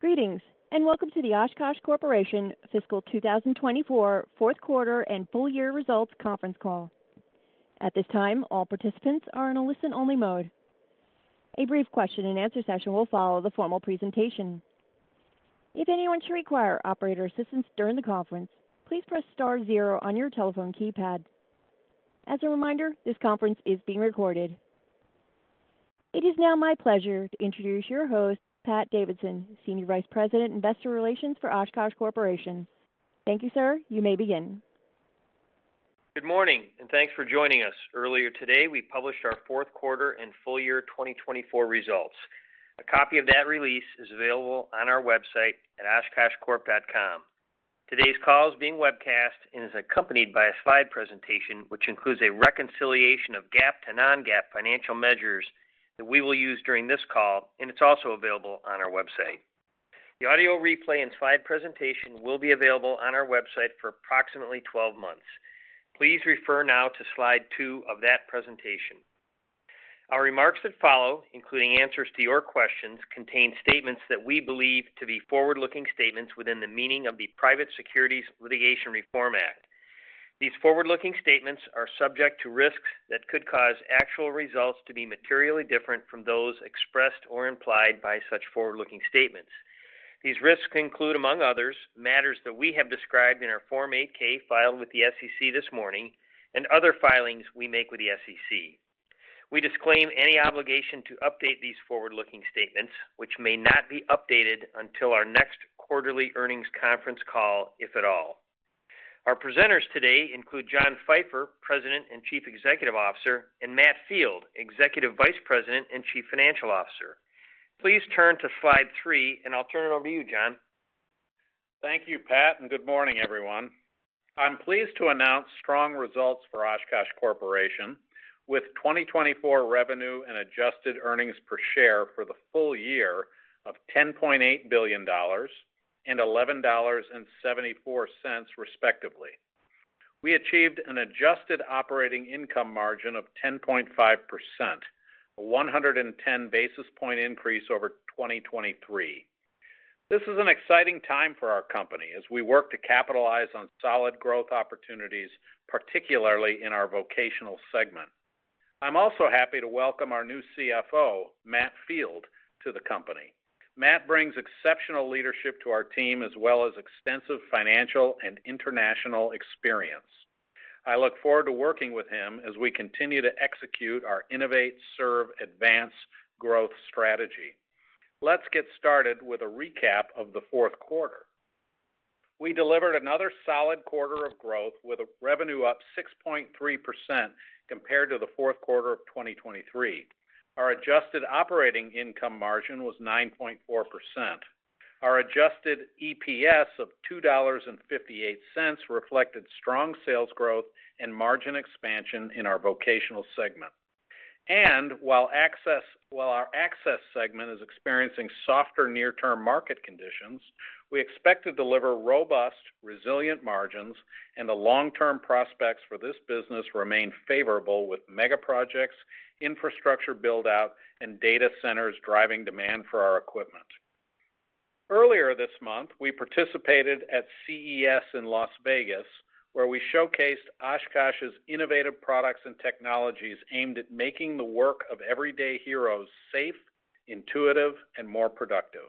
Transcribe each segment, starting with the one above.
Greetings, and welcome to the Oshkosh Corporation Fiscal 2024 Fourth Quarter and Full Year Results Conference Call. At this time, all participants are in a listen-only mode. A brief question-and-answer session will follow the formal presentation. If anyone should require operator assistance during the conference, please press star zero on your telephone keypad. As a reminder, this conference is being recorded. It is now my pleasure to introduce your host, Pat Davidson, Senior Vice President, Investor Relations for Oshkosh Corporation. Thank you, sir. You may begin. Good morning, and thanks for joining us. Earlier today, we published our Fourth Quarter and Full Year 2024 results. A copy of that release is available on our website at OshkoshCorp.com. Today's call is being webcast and is accompanied by a slide presentation which includes a reconciliation of GAAP to non-GAAP financial measures that we will use during this call, and it's also available on our website. The audio replay and slide presentation will be available on our website for approximately 12 months. Please refer now to slide two of that presentation. Our remarks that follow, including answers to your questions, contain statements that we believe to be forward-looking statements within the meaning of the Private Securities Litigation Reform Act. These forward-looking statements are subject to risks that could cause actual results to be materially different from those expressed or implied by such forward-looking statements. These risks include, among others, matters that we have described in our Form 8-K filed with the SEC this morning and other filings we make with the SEC. We disclaim any obligation to update these forward-looking statements, which may not be updated until our next quarterly earnings conference call, if at all. Our presenters today include John Pfeifer, President and Chief Executive Officer, and Matt Field, Executive Vice President and Chief Financial Officer. Please turn to slide three, and I'll turn it over to you, John. Thank you, Pat, and good morning, everyone. I'm pleased to announce strong results for Oshkosh Corporation with 2024 revenue and adjusted earnings per share for the full year of $10.8 billion and $11.74, respectively. We achieved an adjusted operating income margin of 10.5%, a 110 basis point increase over 2023. This is an exciting time for our company as we work to capitalize on solid growth opportunities, particularly in our vocational segment. I'm also happy to welcome our new CFO, Matt Field, to the company. Matt brings exceptional leadership to our team as well as extensive financial and international experience. I look forward to working with him as we continue to execute our innovate, serve, advance growth strategy. Let's get started with a recap of the fourth quarter. We delivered another solid quarter of growth with a revenue up 6.3% compared to the fourth quarter of 2023. Our adjusted operating income margin was 9.4%. Our adjusted EPS of $2.58 reflected strong sales growth and margin expansion in our vocational segment. And while our access segment is experiencing softer near-term market conditions, we expect to deliver robust, resilient margins, and the long-term prospects for this business remain favorable with mega projects, infrastructure build-out, and data centers driving demand for our equipment. Earlier this month, we participated at CES in Las Vegas, where we showcased Oshkosh's innovative products and technologies aimed at making the work of everyday heroes safe, intuitive, and more productive.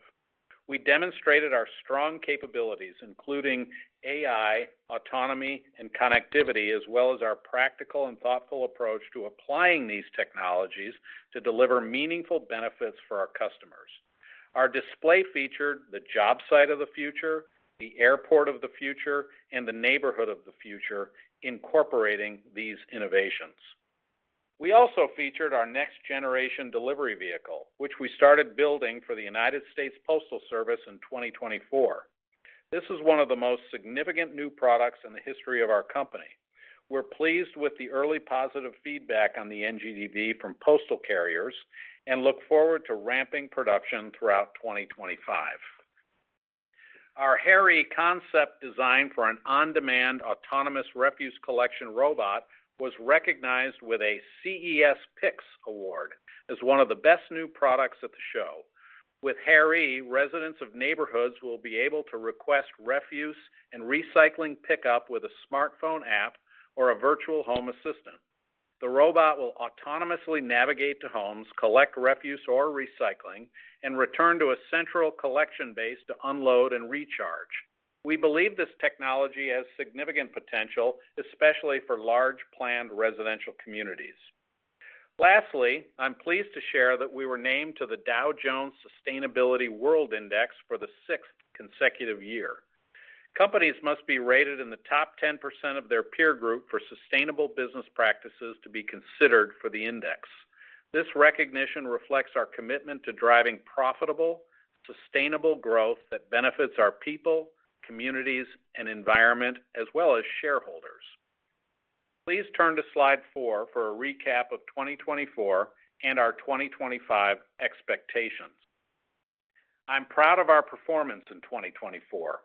We demonstrated our strong capabilities, including AI, autonomy, and connectivity, as well as our practical and thoughtful approach to applying these technologies to deliver meaningful benefits for our customers. Our display featured the Job Site of the Future, the Airport of the Future, and the Neighborhood of the Future, incorporating these innovations. We also featured our next-generation delivery vehicle, which we started building for the United States Postal Service in 2024. This is one of the most significant new products in the history of our company. We're pleased with the early positive feedback on the NGDV from postal carriers and look forward to ramping production throughout 2025. Our HARE-E concept designed for an on-demand autonomous refuse collection robot was recognized with a CES Picks award as one of the best new products at the show. With HARE-E, residents of neighborhoods will be able to request refuse and recycling pickup with a smartphone app or a virtual home assistant. The robot will autonomously navigate to homes, collect refuse or recycling, and return to a central collection base to unload and recharge. We believe this technology has significant potential, especially for large planned residential communities. Lastly, I'm pleased to share that we were named to the Dow Jones Sustainability World Index for the sixth consecutive year. Companies must be rated in the top 10% of their peer group for sustainable business practices to be considered for the index. This recognition reflects our commitment to driving profitable, sustainable growth that benefits our people, communities, and environment, as well as shareholders. Please turn to slide four for a recap of 2024 and our 2025 expectations. I'm proud of our performance in 2024.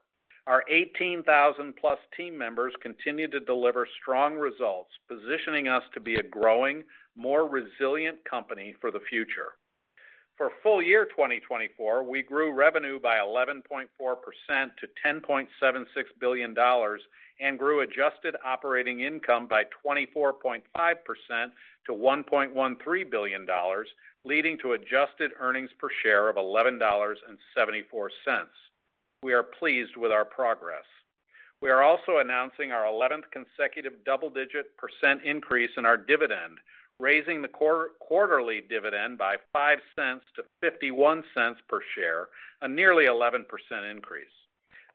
Our 18,000-plus team members continue to deliver strong results, positioning us to be a growing, more resilient company for the future. For full year 2024, we grew revenue by 11.4% to $10.76 billion and grew adjusted operating income by 24.5% to $1.13 billion, leading to adjusted earnings per share of $11.74. We are pleased with our progress. We are also announcing our 11th consecutive double-digit % increase in our dividend, raising the quarterly dividend by $0.05 to $0.51 per share, a nearly 11% increase.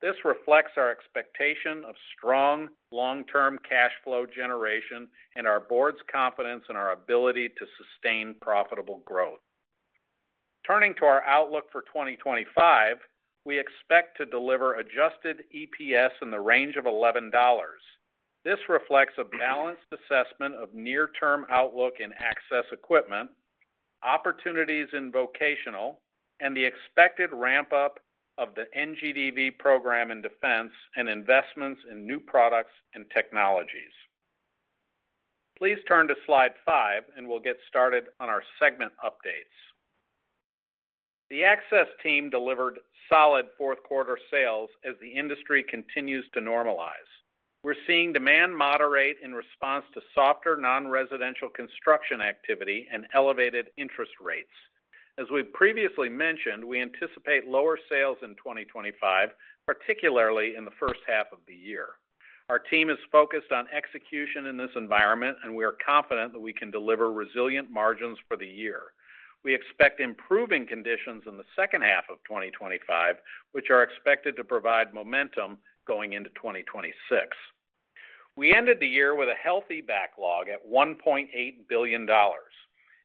This reflects our expectation of strong long-term cash flow generation and our board's confidence in our ability to sustain profitable growth. Turning to our outlook for 2025, we expect to deliver adjusted EPS in the range of $11. This reflects a balanced assessment of near-term outlook in access equipment, opportunities in vocational, and the expected ramp-up of the NGDV program in defense and investments in new products and technologies. Please turn to slide five, and we'll get started on our segment updates. The access team delivered solid fourth-quarter sales as the industry continues to normalize. We're seeing demand moderate in response to softer non-residential construction activity and elevated interest rates. As we previously mentioned, we anticipate lower sales in 2025, particularly in the first half of the year. Our team is focused on execution in this environment, and we are confident that we can deliver resilient margins for the year. We expect improving conditions in the second half of 2025, which are expected to provide momentum going into 2026. We ended the year with a healthy backlog at $1.8 billion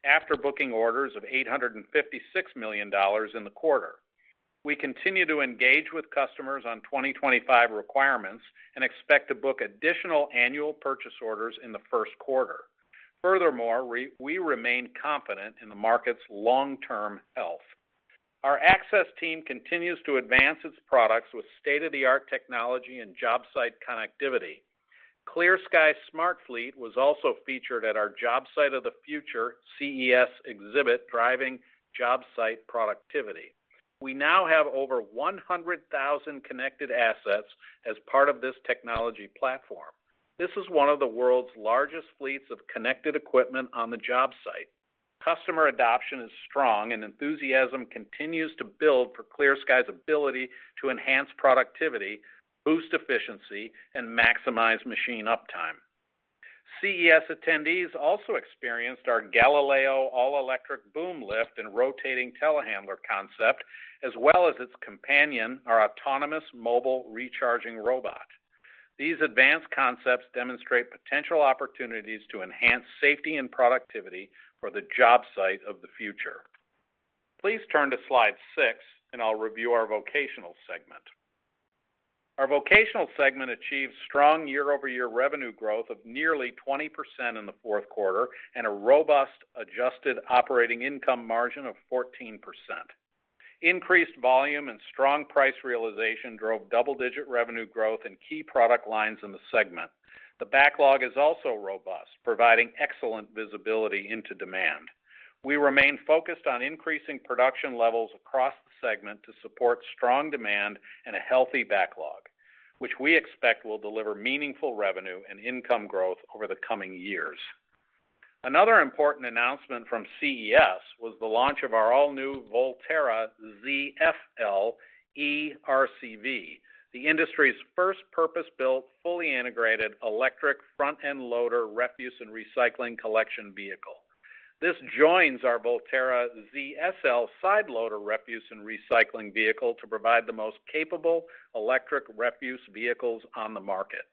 after booking orders of $856 million in the quarter. We continue to engage with customers on 2025 requirements and expect to book additional annual purchase orders in the first quarter. Furthermore, we remain confident in the market's long-term health. Our access team continues to advance its products with state-of-the-art technology and job site connectivity. ClearSky Smart Fleet was also featured at our Job Site of the Future CES exhibit driving job site productivity. We now have over 100,000 connected assets as part of this technology platform. This is one of the world's largest fleets of connected equipment on the job site. Customer adoption is strong, and enthusiasm continues to build for ClearSky's ability to enhance productivity, boost efficiency, and maximize machine uptime. CES attendees also experienced our Galileo all-electric boom lift and rotating telehandler concept, as well as its companion, our autonomous mobile recharging robot. These advanced concepts demonstrate potential opportunities to enhance safety and productivity for the Job Site of the Future. Please turn to slide six, and I'll review our vocational segment. Our vocational segment achieved strong year-over-year revenue growth of nearly 20% in the fourth quarter and a robust adjusted operating income margin of 14%. Increased volume and strong price realization drove double-digit revenue growth in key product lines in the segment. The backlog is also robust, providing excellent visibility into demand. We remain focused on increasing production levels across the segment to support strong demand and a healthy backlog, which we expect will deliver meaningful revenue and income growth over the coming years. Another important announcement from CES was the launch of our all-new Volterra ZFL ERCV, the industry's first purpose-built, fully integrated electric front-end loader refuse and recycling collection vehicle. This joins our Volterra ZSL side loader refuse and recycling vehicle to provide the most capable electric refuse vehicles on the market.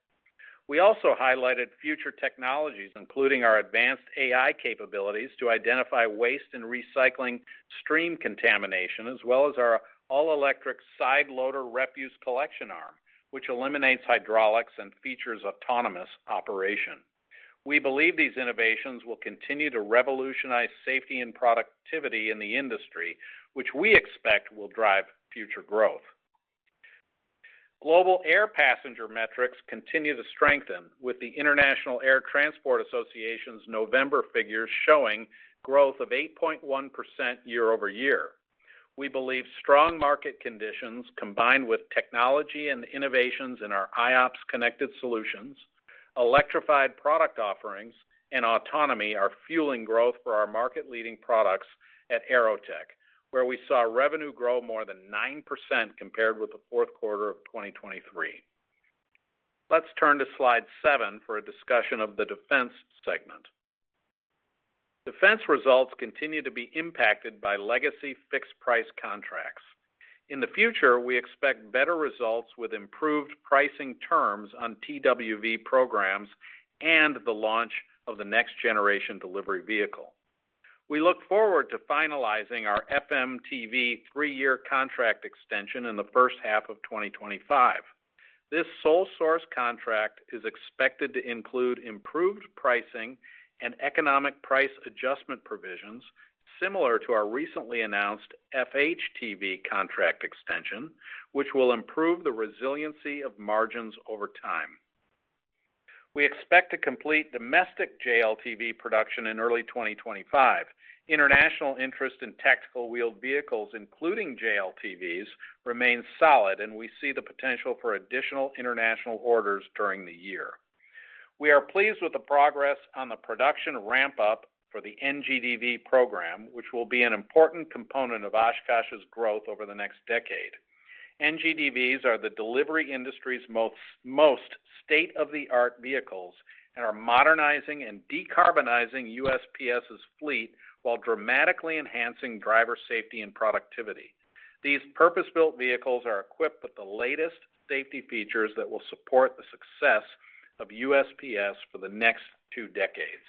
We also highlighted future technologies, including our advanced AI capabilities to identify waste and recycling stream contamination, as well as our all-electric side loader refuse collection arm, which eliminates hydraulics and features autonomous operation. We believe these innovations will continue to revolutionize safety and productivity in the industry, which we expect will drive future growth. Global air passenger metrics continue to strengthen with the International Air Transport Association's November figures showing growth of 8.1% year-over-year. We believe strong market conditions combined with technology and innovations in our iOPS connected solutions, electrified product offerings, and autonomy are fueling growth for our market-leading products at AeroTech, where we saw revenue grow more than 9% compared with the fourth quarter of 2023. Let's turn to slide seven for a discussion of the defense segment. Defense results continue to be impacted by legacy fixed-price contracts. In the future, we expect better results with improved pricing terms on TWV programs and the launch of the next-generation delivery vehicle. We look forward to finalizing our FMTV three-year contract extension in the first half of 2025. This sole-source contract is expected to include improved pricing and economic price adjustment provisions similar to our recently announced FHTV contract extension, which will improve the resiliency of margins over time. We expect to complete domestic JLTV production in early 2025. International interest in tactical wheeled vehicles, including JLTVs, remains solid, and we see the potential for additional international orders during the year. We are pleased with the progress on the production ramp-up for the NGDV program, which will be an important component of Oshkosh's growth over the next decade. NGDVs are the delivery industry's most state-of-the-art vehicles and are modernizing and decarbonizing USPS's fleet while dramatically enhancing driver safety and productivity. These purpose-built vehicles are equipped with the latest safety features that will support the success of USPS for the next two decades.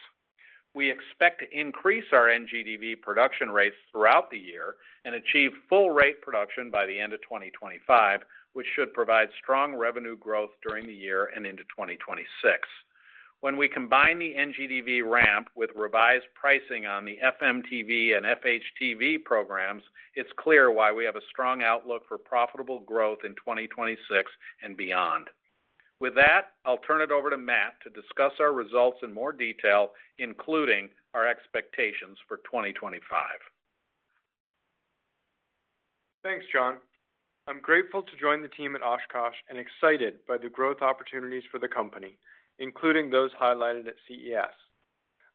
We expect to increase our NGDV production rates throughout the year and achieve full-rate production by the end of 2025, which should provide strong revenue growth during the year and into 2026. When we combine the NGDV ramp with revised pricing on the FMTV and FHTV programs, it's clear why we have a strong outlook for profitable growth in 2026 and beyond. With that, I'll turn it over to Matt to discuss our results in more detail, including our expectations for 2025. Thanks, John. I'm grateful to join the team at Oshkosh and excited by the growth opportunities for the company, including those highlighted at CES.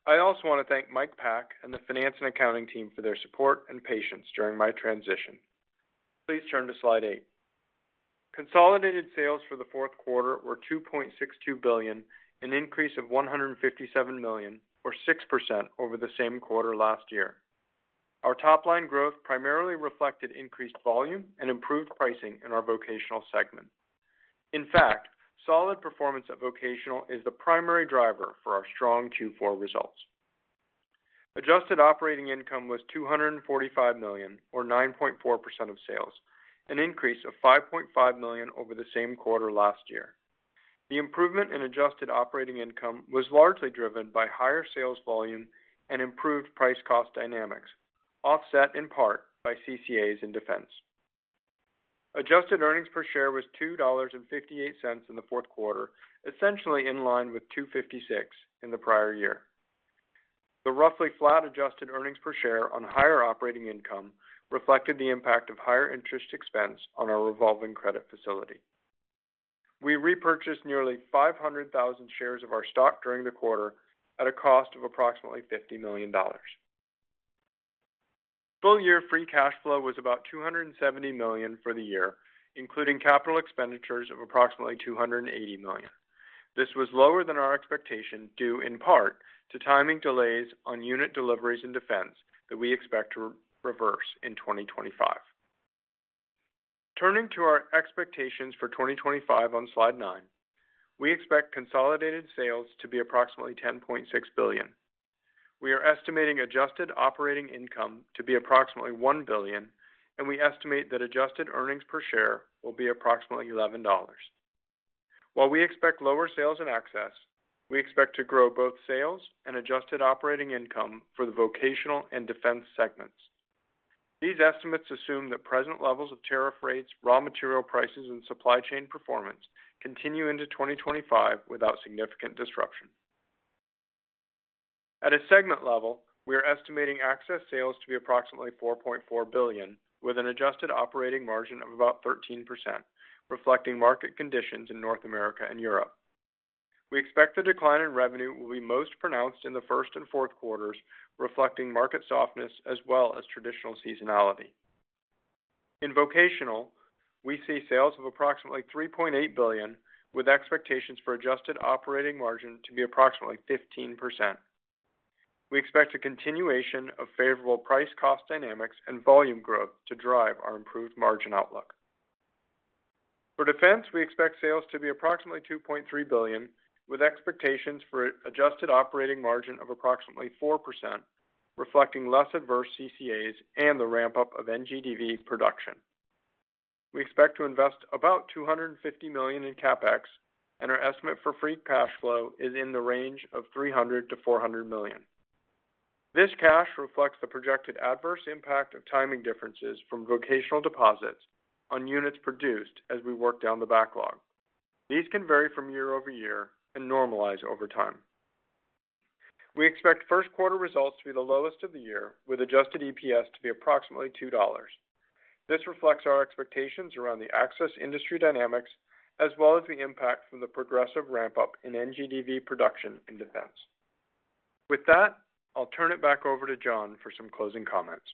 I also want to thank Matt Field and the finance and accounting team for their support and patience during my transition. Please turn to slide eight. Consolidated sales for the fourth quarter were $2.62 billion, an increase of $157 million, or 6% over the same quarter last year. Our top-line growth primarily reflected increased volume and improved pricing in our vocational segment. In fact, solid performance at vocational is the primary driver for our strong Q4 results. Adjusted operating income was $245 million, or 9.4% of sales, an increase of $5.5 million over the same quarter last year. The improvement in adjusted operating income was largely driven by higher sales volume and improved price-cost dynamics, offset in part by CCAs in defense. Adjusted earnings per share was $2.58 in the fourth quarter, essentially in line with $2.56 in the prior year. The roughly flat adjusted earnings per share on higher operating income reflected the impact of higher interest expense on our revolving credit facility. We repurchased nearly 500,000 shares of our stock during the quarter at a cost of approximately $50 million. Full-year free cash flow was about $270 million for the year, including capital expenditures of approximately $280 million. This was lower than our expectation due in part to timing delays on unit deliveries in defense that we expect to reverse in 2025. Turning to our expectations for 2025 on slide nine, we expect consolidated sales to be approximately $10.6 billion. We are estimating adjusted operating income to be approximately $1 billion, and we estimate that adjusted earnings per share will be approximately $11. While we expect lower sales in access, we expect to grow both sales and adjusted operating income for the vocational and defense segments. These estimates assume that present levels of tariff rates, raw material prices, and supply chain performance continue into 2025 without significant disruption. At a segment level, we are estimating access sales to be approximately $4.4 billion, with an adjusted operating margin of about 13%, reflecting market conditions in North America and Europe. We expect the decline in revenue will be most pronounced in the first and fourth quarters, reflecting market softness as well as traditional seasonality. In vocational, we see sales of approximately $3.8 billion, with expectations for adjusted operating margin to be approximately 15%. We expect a continuation of favorable price-cost dynamics and volume growth to drive our improved margin outlook. For defense, we expect sales to be approximately $2.3 billion, with expectations for an adjusted operating margin of approximately 4%, reflecting less adverse CCAs and the ramp-up of NGDV production. We expect to invest about $250 million in CapEx, and our estimate for free cash flow is in the range of $300-$400 million. This cash reflects the projected adverse impact of timing differences from vocational deposits on units produced as we work down the backlog. These can vary from year over year and normalize over time. We expect first-quarter results to be the lowest of the year, with adjusted EPS to be approximately $2. This reflects our expectations around the access industry dynamics as well as the impact from the progressive ramp-up in NGDV production in defense. With that, I'll turn it back over to John for some closing comments.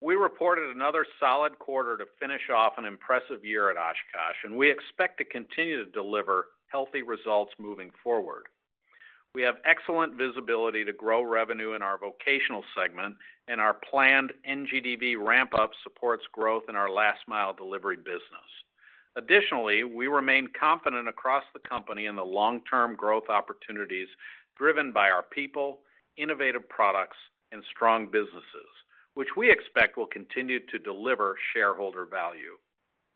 We reported another solid quarter to finish off an impressive year at Oshkosh, and we expect to continue to deliver healthy results moving forward. We have excellent visibility to grow revenue in our vocational segment, and our planned NGDV ramp-up supports growth in our last-mile delivery business. Additionally, we remain confident across the company in the long-term growth opportunities driven by our people, innovative products, and strong businesses, which we expect will continue to deliver shareholder value.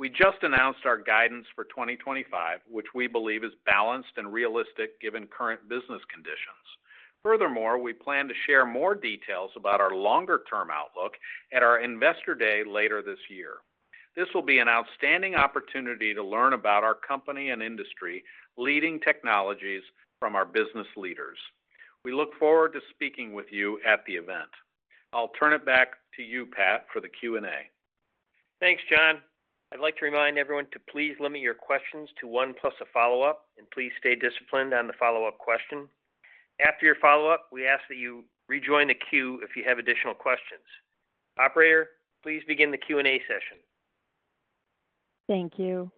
We just announced our guidance for 2025, which we believe is balanced and realistic given current business conditions. Furthermore, we plan to share more details about our longer-term outlook at our investor day later this year. This will be an outstanding opportunity to learn about our company and industry, leading technologies from our business leaders. We look forward to speaking with you at the event. I'll turn it back to you, Patrick, for the Q&A. Thanks, John. I'd like to remind everyone to please limit your questions to one plus a follow-up, and please stay disciplined on the follow-up question. After your follow-up, we ask that you rejoin the queue if you have additional questions. Operator, please begin the Q&A session. Thank you.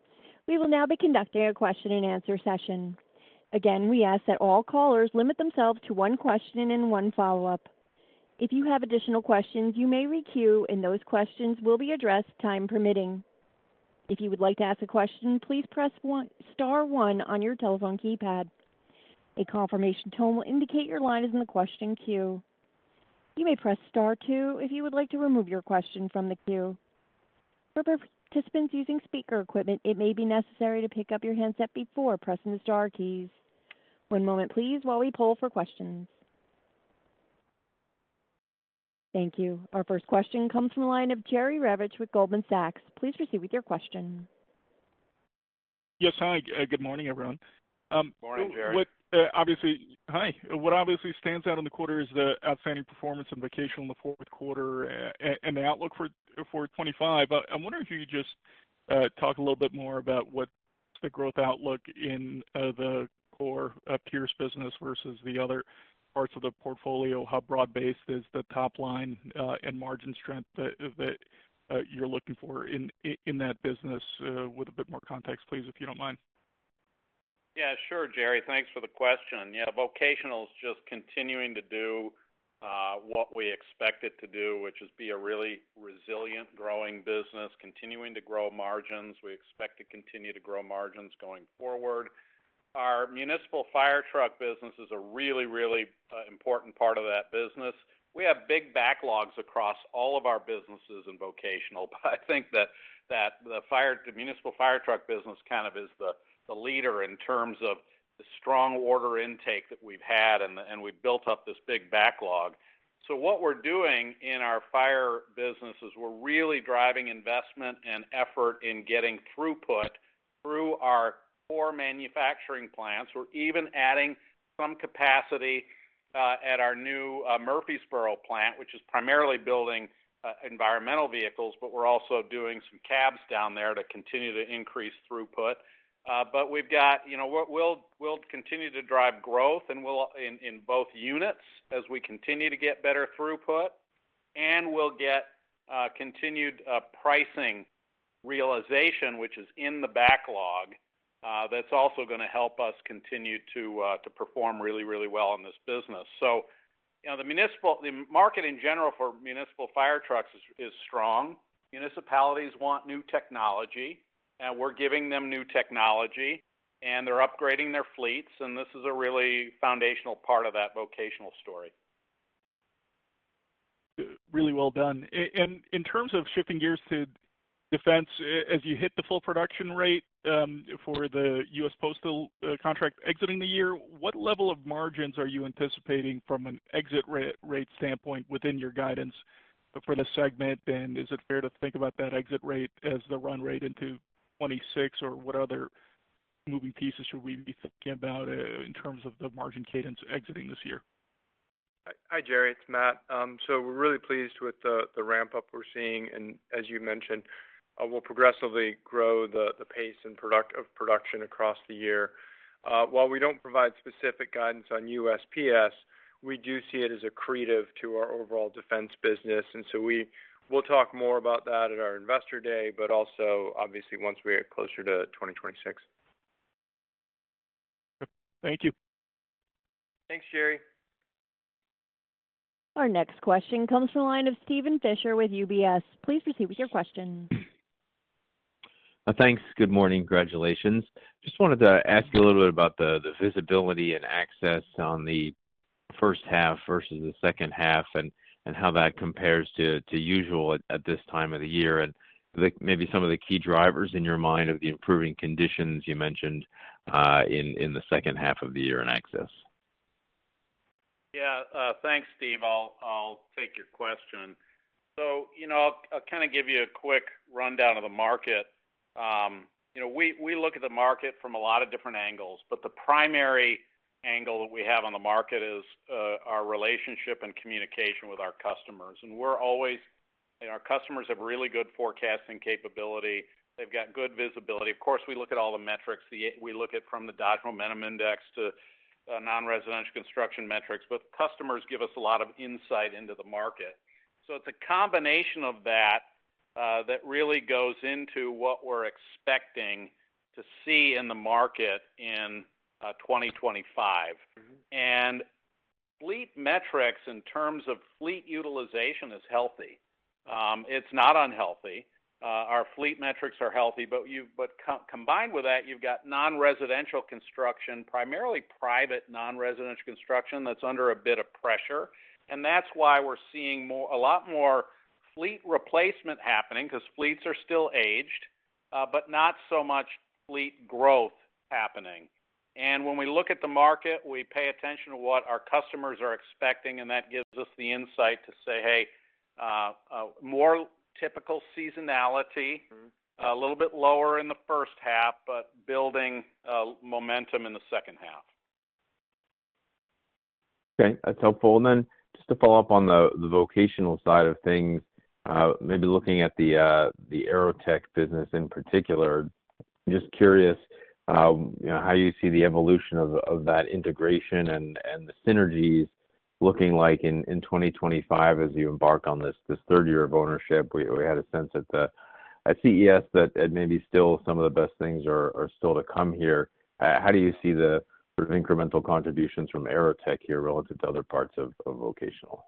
We will now be conducting a question-and-answer session. Again, we ask that all callers limit themselves to one question and one follow-up. If you have additional questions, you may re-queue, and those questions will be addressed time permitting. If you would like to ask a question, please press star one on your telephone keypad. A confirmation tone will indicate your line is in the question queue. You may press star two if you would like to remove your question from the queue. For participants using speaker equipment, it may be necessary to pick up your handset before pressing the star keys. One moment, please, while we pull for questions. Thank you. Our first question comes from the line of Jerry Revich with Goldman Sachs. Please proceed with your question. Yes, hi. Good morning, everyone. Morning, Jerry. Obviously, hi. What obviously stands out in the quarter is the outstanding performance in vocational in the fourth quarter and the outlook for 2025. I wonder if you could just talk a little bit more about what the growth outlook in the core peers business versus the other parts of the portfolio, how broad-based is the top line and margin strength that you're looking for in that business, with a bit more context, please, if you don't mind? Yeah, sure, Jerry. Thanks for the question. Yeah, vocational is just continuing to do what we expect it to do, which is be a really resilient, growing business, continuing to grow margins. We expect to continue to grow margins going forward. Our municipal fire truck business is a really, really important part of that business. We have big backlogs across all of our businesses in vocational, but I think that the municipal fire truck business kind of is the leader in terms of the strong order intake that we've had, and we've built up this big backlog. So what we're doing in our fire business is we're really driving investment and effort in getting throughput through our core manufacturing plants. We're even adding some capacity at our new Murfreesboro plant, which is primarily building environmental vehicles, but we're also doing some cabs down there to continue to increase throughput. But we'll continue to drive growth in both units as we continue to get better throughput, and we'll get continued pricing realization, which is in the backlog, that's also going to help us continue to perform really, really well in this business. So the market in general for municipal fire trucks is strong. Municipalities want new technology, and we're giving them new technology, and they're upgrading their fleets, and this is a really foundational part of that vocational story. Really well done. And in terms of shifting gears to defense, as you hit the full production rate for the US Postal contract exiting the year, what level of margins are you anticipating from an exit rate standpoint within your guidance for the segment? And is it fair to think about that exit rate as the run rate into 2026, or what other moving pieces should we be thinking about in terms of the margin cadence exiting this year? Hi, Jerry. It's Matt. So we're really pleased with the ramp-up we're seeing, and as you mentioned, we'll progressively grow the pace of production across the year. While we don't provide specific guidance on USPS, we do see it as a contributor to our overall defense business, and so we'll talk more about that at our investor day, but also, obviously, once we get closer to 2026. Thank you. Thanks, Jerry. Our next question comes from the line of Steven Fisher with UBS. Please proceed with your question. Thanks. Good morning. Congratulations. Just wanted to ask you a little bit about the visibility and access on the first half versus the second half and how that compares to usual at this time of the year and maybe some of the key drivers in your mind of the improving conditions you mentioned in the second half of the year in access. Yeah. Thanks, Steve. I'll take your question. So I'll kind of give you a quick rundown of the market. We look at the market from a lot of different angles, but the primary angle that we have on the market is our relationship and communication with our customers. And our customers have really good forecasting capability. They've got good visibility. Of course, we look at all the metrics. We look at, from the Dodge Momentum Index to non-residential construction metrics, but customers give us a lot of insight into the market. So it's a combination of that that really goes into what we're expecting to see in the market in 2025. And fleet metrics in terms of fleet utilization is healthy. It's not unhealthy. Our fleet metrics are healthy, but combined with that, you've got non-residential construction, primarily private non-residential construction that's under a bit of pressure. That's why we're seeing a lot more fleet replacement happening because fleets are still aged, but not so much fleet growth happening. When we look at the market, we pay attention to what our customers are expecting, and that gives us the insight to say, "Hey, more typical seasonality, a little bit lower in the first half, but building momentum in the second half." Okay. That's helpful. To follow up on the vocational side of things, maybe looking at the AeroTech business in particular, I'm just curious how you see the evolution of that integration and the synergies looking like in 2025 as you embark on this third year of ownership. We had a sense at CES that maybe still some of the best things are still to come here. How do you see the sort of incremental contributions from AeroTech here relative to other parts of vocational?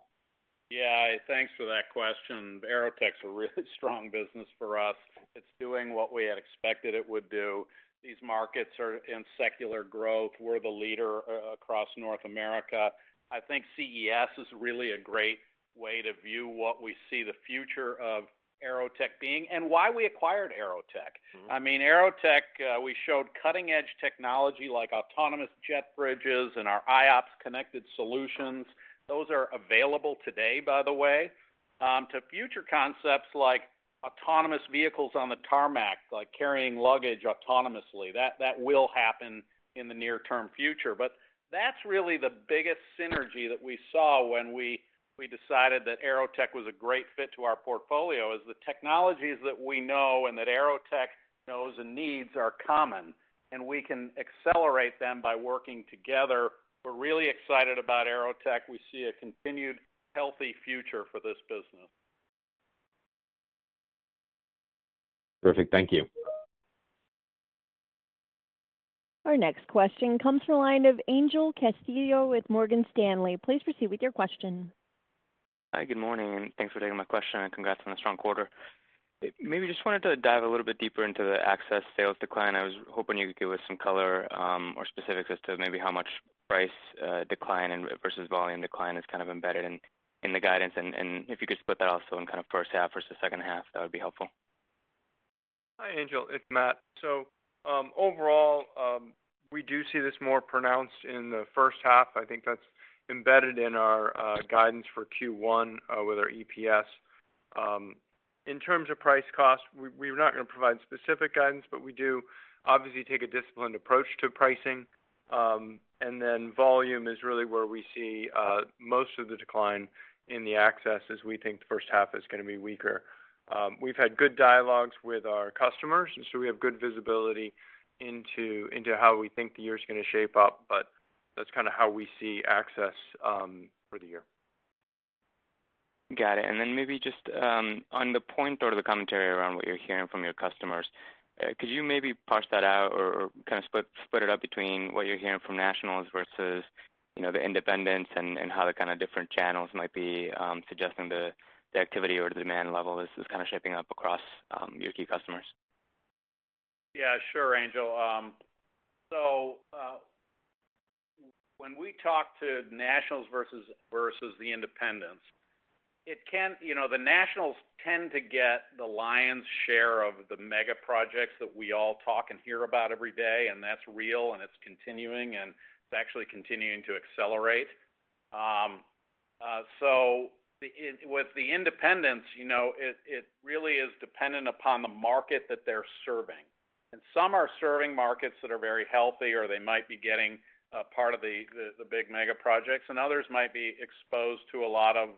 Yeah. Thanks for that question. AeroTech is a really strong business for us. It's doing what we had expected it would do. These markets are in secular growth. We're the leader across North America. I think CES is really a great way to view what we see the future of AeroTech being and why we acquired AeroTech. I mean, AeroTech, we showed cutting-edge technology like autonomous jet bridges and our iOPS connected solutions. Those are available today, by the way, to future concepts like autonomous vehicles on the tarmac, like carrying luggage autonomously. That will happen in the near-term future. But that's really the biggest synergy that we saw when we decided that AeroTech was a great fit to our portfolio: the technologies that we know and that AeroTech knows and needs are common, and we can accelerate them by working together. We're really excited about AeroTech. We see a continued healthy future for this business. Perfect. Thank you. Our next question comes from the line of Angel Castillo with Morgan Stanley. Please proceed with your question. Hi. Good morning. Thanks for taking my question and congrats on the strong quarter. Maybe just wanted to dive a little bit deeper into the access sales decline. I was hoping you could give us some color or specifics as to maybe how much price decline versus volume decline is kind of embedded in the guidance. If you could split that also in kind of first half versus second half, that would be helpful. Hi, Angel. It's Matt. So overall, we do see this more pronounced in the first half. I think that's embedded in our guidance for Q1 with our EPS. In terms of price cost, we're not going to provide specific guidance, but we do obviously take a disciplined approach to pricing. And then volume is really where we see most of the decline in the access as we think the first half is going to be weaker. We've had good dialogues with our customers, and so we have good visibility into how we think the year is going to shape up, but that's kind of how we see access for the year. Got it. And then maybe just on the point or the commentary around what you're hearing from your customers, could you maybe parse that out or kind of split it up between what you're hearing from nationals versus the independents and how the kind of different channels might be suggesting the activity or the demand level is kind of shaping up across your key customers? Yeah, sure, Angel. So when we talk to nationals versus the independents, the nationals tend to get the lion's share of the mega projects that we all talk and hear about every day, and that's real, and it's continuing, and it's actually continuing to accelerate. So with the independents, it really is dependent upon the market that they're serving. And some are serving markets that are very healthy, or they might be getting part of the big mega projects, and others might be exposed to a lot of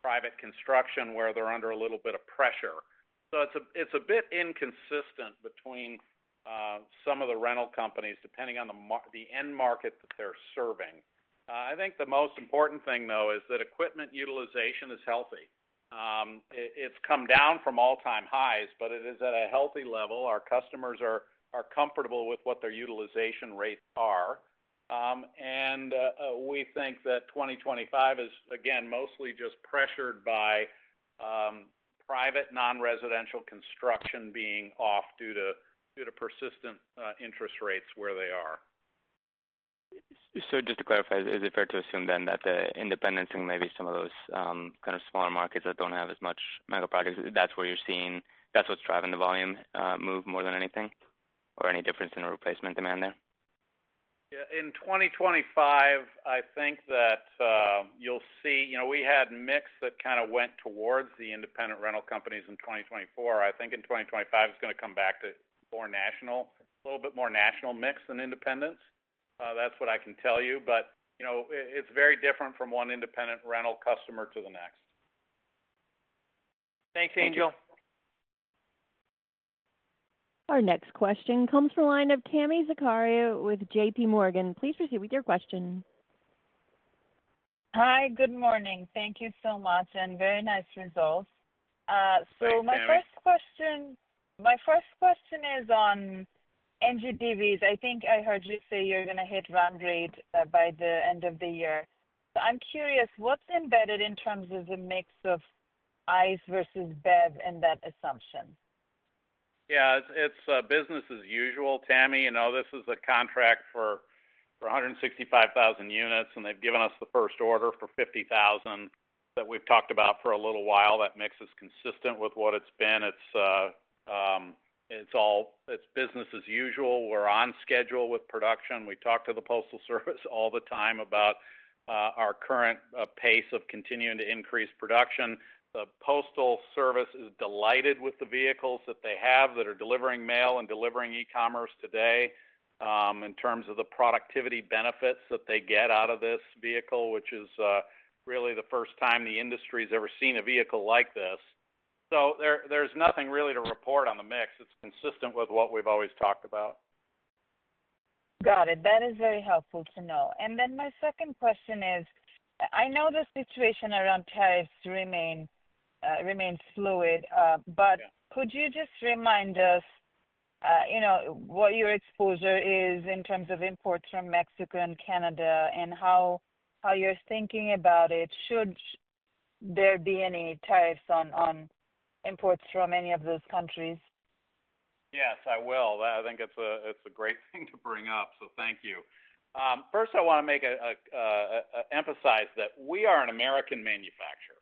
private construction where they're under a little bit of pressure. So it's a bit inconsistent between some of the rental companies depending on the end market that they're serving. I think the most important thing, though, is that equipment utilization is healthy. It's come down from all-time highs, but it is at a healthy level. Our customers are comfortable with what their utilization rates are. And we think that 2025 is, again, mostly just pressured by private non-residential construction being off due to persistent interest rates where they are. So just to clarify, is it fair to assume then that the independents and maybe some of those kind of smaller markets that don't have as much mega projects, that's where you're seeing that's what's driving the volume move more than anything or any difference in the replacement demand there? Yeah. In 2025, I think that you'll see we had mix that kind of went towards the independent rental companies in 2024. I think in 2025, it's going to come back to a little bit more national mix than independents. That's what I can tell you, but it's very different from one independent rental customer to the next. Thanks, Angel. Our next question comes from the line of Tami Zakaria with J.P. Morgan. Please proceed with your question. Hi. Good morning. Thank you so much, and very nice results. So my first question is on NGDVs. I think I heard you say you're going to hit run rate by the end of the year. So I'm curious, what's embedded in terms of the mix of ICE versus BEV in that assumption? Yeah. It's business as usual. Tami, this is a contract for 165,000 units, and they've given us the first order for 50,000 that we've talked about for a little while. That mix is consistent with what it's been. It's business as usual. We're on schedule with production. We talk to the Postal Service all the time about our current pace of continuing to increase production. The Postal Service is delighted with the vehicles that they have that are delivering mail and delivering e-commerce today in terms of the productivity benefits that they get out of this vehicle, which is really the first time the industry has ever seen a vehicle like this. So there's nothing really to report on the mix. It's consistent with what we've always talked about. Got it. That is very helpful to know. And then my second question is, I know the situation around tariffs remains fluid, but could you just remind us what your exposure is in terms of imports from Mexico and Canada and how you're thinking about it? Should there be any tariffs on imports from any of those countries? Yes, I will. I think it's a great thing to bring up, so thank you. First, I want to emphasize that we are an American manufacturer.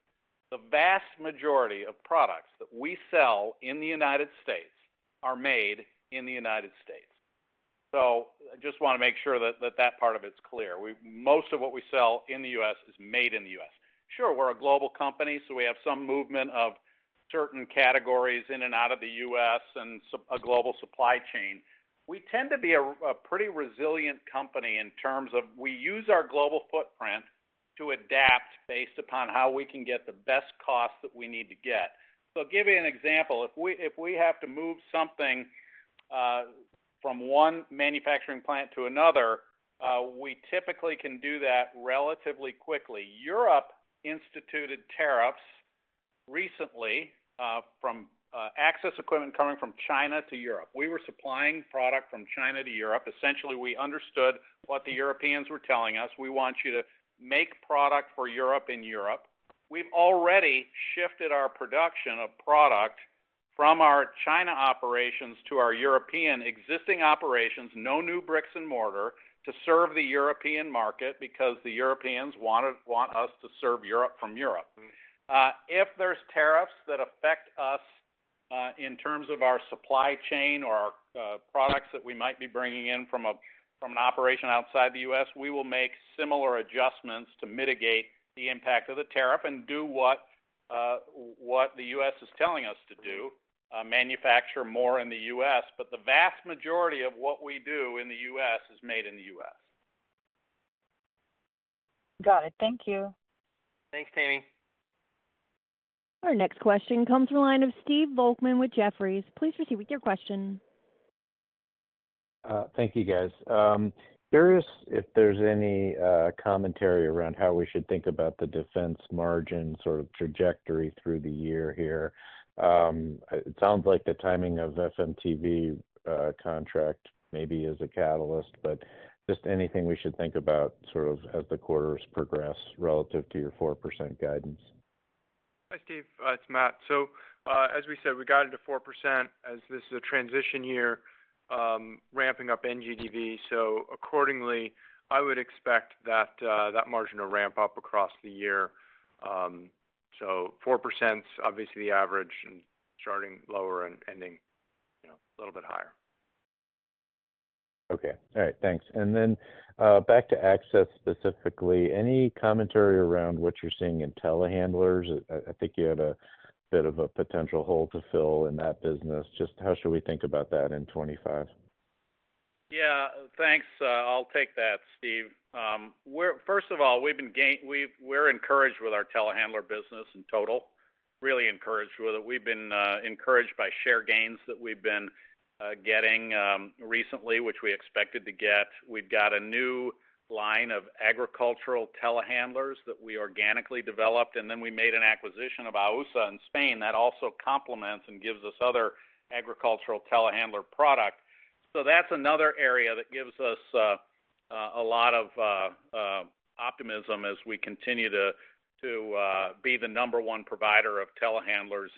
The vast majority of products that we sell in the United States are made in the United States. So I just want to make sure that that part of it's clear. Most of what we sell in the U.S. is made in the U.S. Sure, we're a global company, so we have some movement of certain categories in and out of the U.S. and a global supply chain. We tend to be a pretty resilient company in terms of we use our global footprint to adapt based upon how we can get the best cost that we need to get. So I'll give you an example. If we have to move something from one manufacturing plant to another, we typically can do that relatively quickly. Europe instituted tariffs recently from access equipment coming from China to Europe. We were supplying product from China to Europe. Essentially, we understood what the Europeans were telling us. We want you to make product for Europe in Europe. We've already shifted our production of product from our China operations to our European existing operations, no new bricks and mortar, to serve the European market because the Europeans want us to serve Europe from Europe. If there's tariffs that affect us in terms of our supply chain or our products that we might be bringing in from an operation outside the US, we will make similar adjustments to mitigate the impact of the tariff and do what the US is telling us to do, manufacture more in the US. But the vast majority of what we do in the US is made in the US. Got it. Thank you. Thanks, Tami. Our next question comes from the line of Steve Volkmann with Jefferies. Please proceed with your question. Thank you, guys. Curious if there's any commentary around how we should think about the defense margin sort of trajectory through the year here. It sounds like the timing of FMTV contract maybe is a catalyst, but just anything we should think about sort of as the quarters progress relative to your 4% guidance. Hi, Steve. It's Matt. So as we said, we got into 4% as this is a transition year ramping up NGDV. So accordingly, I would expect that margin to ramp up across the year. So 4% is obviously the average and starting lower and ending a little bit higher. Okay. All right. Thanks. And then back to access specifically, any commentary around what you're seeing in telehandlers? I think you had a bit of a potential hole to fill in that business. Just how should we think about that in '25? Yeah. Thanks. I'll take that, Steve. First of all, we're encouraged with our telehandler business in total, really encouraged with it. We've been encouraged by share gains that we've been getting recently, which we expected to get. We've got a new line of agricultural telehandlers that we organically developed, and then we made an acquisition of AUSA in Spain that also complements and gives us other agricultural telehandler product. So that's another area that gives us a lot of optimism as we continue to be the number one provider of telehandlers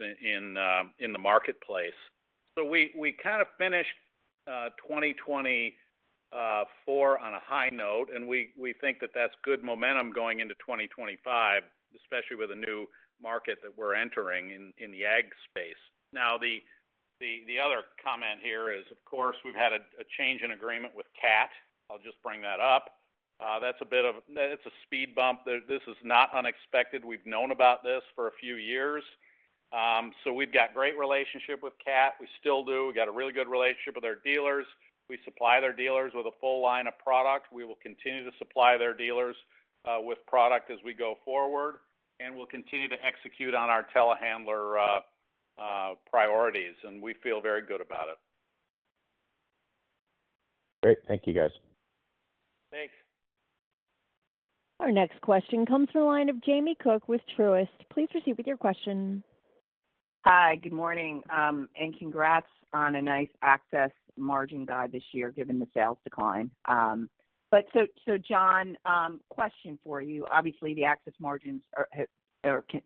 in the marketplace. So we kind of finished 2024 on a high note, and we think that that's good momentum going into 2025, especially with a new market that we're entering in the ag space. Now, the other comment here is, of course, we've had a change in agreement with Cat. I'll just bring that up. That's a bit of a speed bump. This is not unexpected. We've known about this for a few years. So we've got a great relationship with Cat. We still do. We've got a really good relationship with our dealers. We supply their dealers with a full line of product. We will continue to supply their dealers with product as we go forward, and we'll continue to execute on our telehandler priorities, and we feel very good about it. Great. Thank you, guys. Thanks. Our next question comes from the line of Jamie Cook with Truist. Please proceed with your question. Hi. Good morning, and congrats on a nice access margin guide this year given the sales decline, but so, John, question for you. Obviously, the access margins